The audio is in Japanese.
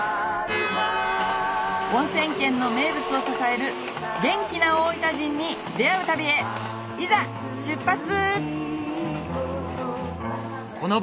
おんせん県の名物を支える元気な大分人に出会う旅へいざ出発！